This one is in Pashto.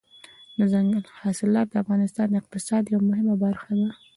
دځنګل حاصلات د افغانستان د اقتصاد یوه مهمه برخه ده.